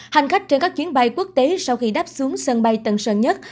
hành khách trên các chuyến bay quốc tế sau khi đáp xuống sân bay tân sơn nhất